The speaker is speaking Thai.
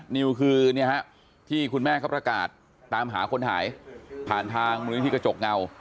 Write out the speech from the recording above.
นิวคือที่คุณแม่เขาประกาศตามหาคนหายผ่านทางมูลนิธิกระจกเงา